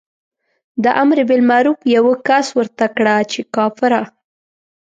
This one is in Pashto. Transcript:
د امر بالمعروف یوه کس ورته کړه چې کافره.